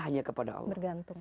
hanya kepada allah